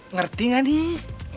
ngerti gak nih